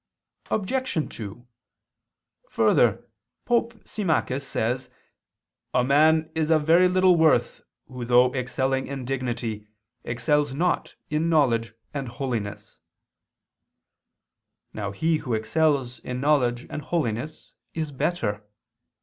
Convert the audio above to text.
Obj. 2: Further, Pope Symmachus says (can. Vilissimus I, qu. 1): "A man is of very little worth who though excelling in dignity, excels not in knowledge and holiness." Now he who excels in knowledge and holiness is better.